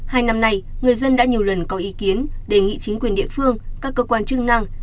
hai năm nay người dân đã nhiều lần có ý kiến đề nghị chính quyền địa phương các cơ quan chức năng